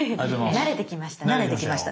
慣れてきました。